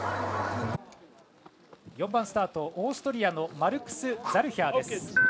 ４番スタート、オーストリアのマルクス・ザルヒャーです。